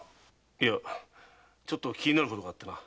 いやちょっと気になることがあってな。